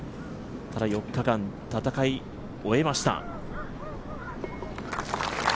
ただ４日間戦い終えました。